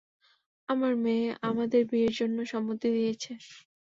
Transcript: আমার মেয়ে আমাদের বিয়ের জন্য সম্মতি দিয়েছে।